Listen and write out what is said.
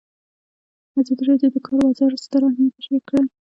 ازادي راډیو د د کار بازار ستر اهميت تشریح کړی.